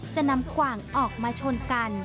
จะนำกว่างออกมาชนกัน